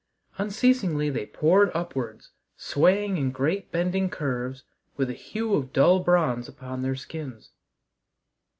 Unceasingly they poured upwards, swaying in great bending curves, with a hue of dull bronze upon their skins.